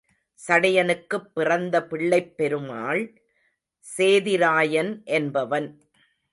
சடையனுக்குப் பிறந்த பிள்ளைப் பெருமாள் சேதிராயன் என்பவன்.